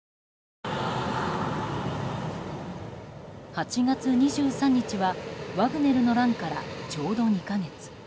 ８月２３日はワグネルの乱からちょうど２か月。